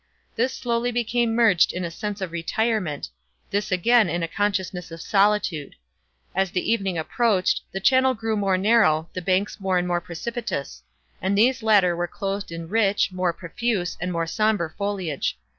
This slowly became merged in a sense of retirement—this again in a consciousness of solitude. As the evening approached, the channel grew more narrow; the banks more and more precipitous; and these latter were clothed in rich, more profuse, and more sombre foliage.